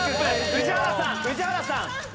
宇治原さん宇治原さん。